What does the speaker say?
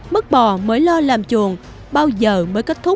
mức bò mới lo làm chuồng bao giờ mới kết thúc